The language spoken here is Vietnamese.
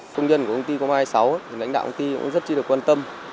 công nhân của công ty có ba hay sáu lãnh đạo công ty cũng rất chi là quan tâm